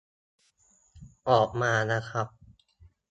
ออกมานะครับ